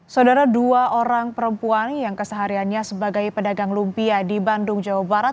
saudara dua orang perempuan yang kesehariannya sebagai pedagang lumpia di bandung jawa barat